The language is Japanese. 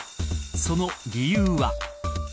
その理由は。